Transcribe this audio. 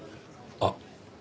あっ。